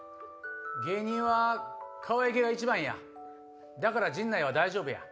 「芸人はかわいげが一番やだから陣内は大丈夫や」。